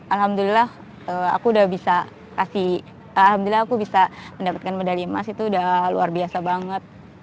alhamdulillah aku sudah bisa mendapatkan medali emas itu sudah luar biasa banget